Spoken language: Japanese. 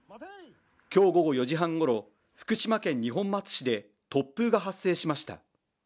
今日午後４時半ごろ、福島県二本松市で突風が発生しました。